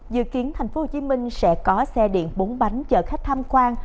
dự kiến thành phố hồ chí minh sẽ có xe điện bốn bánh chở khách tham quan